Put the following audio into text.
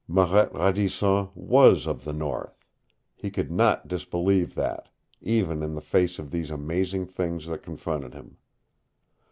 Marette Radisson was of the North. He could not disbelieve that, even in the face of these amazing things that confronted him.